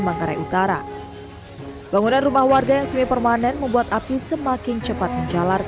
manggarai utara bangunan rumah warga yang semi permanen membuat api semakin cepat menjalar